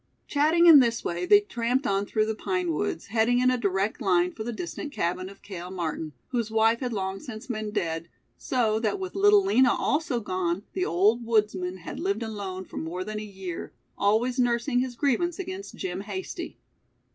Chatting in this way they tramped on through the pine woods, heading in a direct line for the distant cabin of Cale Martin, whose wife had long since been dead, so that with Little Lina also gone, the old woodsman had lived alone for more than a year, always nursing his grievance against Jim Hasty.